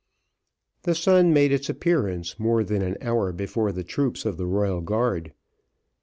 The sun made its appearance more than an hour, before the troops of the royal Guard.